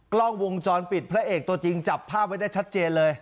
กล้องวงจรปิดพระเอกตัวจริงจับภาพไว้ได้ชัดเจนเลย